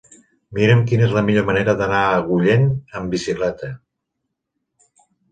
Mira'm quina és la millor manera d'anar a Agullent amb bicicleta.